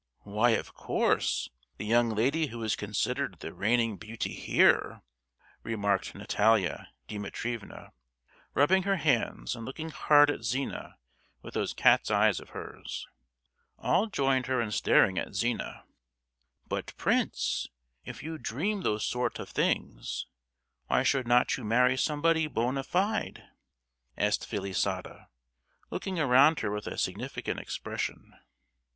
"Why, of course, the young lady who is considered the reigning beauty here," remarked Natalia Dimitrievna, rubbing her hands and looking hard at Zina with those cat's eyes of hers. All joined her in staring at Zina. "But, prince, if you dream those sort of things, why should not you marry somebody bona fide?" asked Felisata, looking around her with a significant expression.